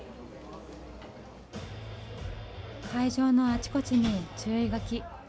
会場のあちこちに注意書き。